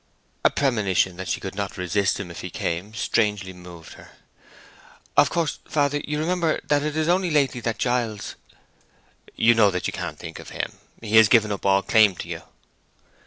A premonition that she could not resist him if he came strangely moved her. "Of course, father, you remember that it is only lately that Giles—" "You know that you can't think of him. He has given up all claim to you."